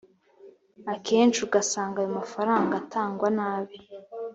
akenshi usanga ayo mafaranga atangwa nabi